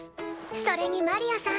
それにマリアさん